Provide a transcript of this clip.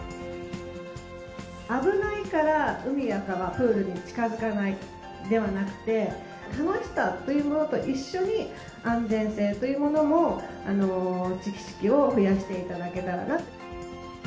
危ないから海や川、プールに近づかないではなくて、楽しさというものと一緒に安全性というものも知識を増やしていただけたらなと。